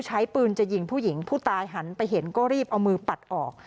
ใช้ปืนจะยิงผู้หญิงผู้ตายหันไปเห็นก็รีบเอามือปัดออก